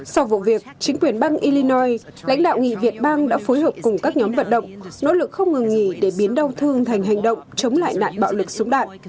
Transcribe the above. sau vụ việc chính quyền bang illinoi lãnh đạo nghị viện bang đã phối hợp cùng các nhóm vận động nỗ lực không ngừng nghỉ để biến đau thương thành hành động chống lại nạn bạo lực súng đạn